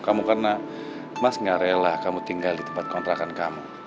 kamu karena mas gak rela kamu tinggal di tempat kontrakan kamu